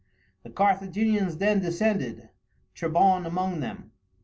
The Carthaginians then descended, Trebon among them.